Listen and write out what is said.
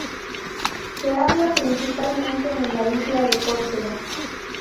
Se habla principalmente en la isla de Córcega.